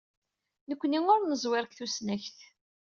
Nekkni ur neẓwir deg tusnakt.